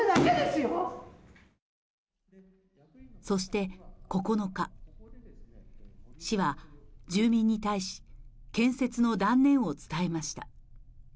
そして９日市は住民に対し建設の断念を伝えました